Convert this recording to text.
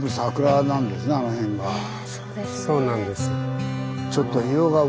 そうなんです。